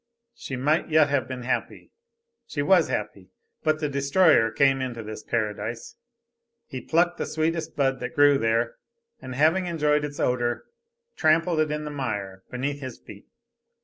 She might yet have been happy; she was happy. But the destroyer came into this paradise. He plucked the sweetest bud that grew there, and having enjoyed its odor, trampled it in the mire beneath his feet.